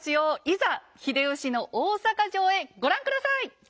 いざ秀吉の大坂城へご覧下さい！